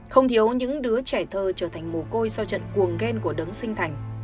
không thiếu những đứa trẻ thơ trở thành mồ côi sau trận cuồng ghen của đấng sinh thành